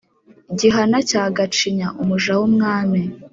Gihana cya Gacinya umuja w’umwami